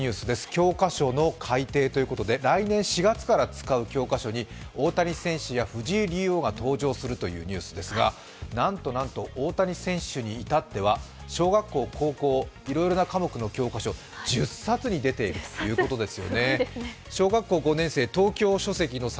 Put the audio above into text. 教科書の改訂ということで来年４月から使う教科書に大谷選手や藤井竜王が登場するというニュースですが、なんとなんと大谷選手に至っては小学校、高校、いろいろな科目の教科書１０冊に出ているということです。